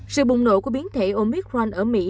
sự bùng nổ của biến thể omicron ở mỹ